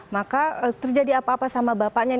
maka terjadi apa apa sama bapaknya